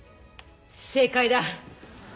正解だ。